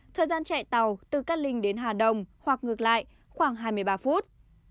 thời gian chạy tàu từ cát linh đến hà đông hoặc ngược lại khoảng hai mươi ba phút